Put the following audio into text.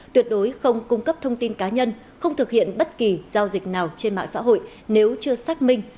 tuyệt đối không cung cấp thông tin cá nhân không thực hiện bất kỳ giao dịch nào trên mạng xã hội nếu chưa xác minh